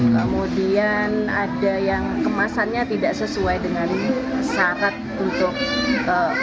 kemudian ada yang kemasannya tidak sesuai dengan syarat untuk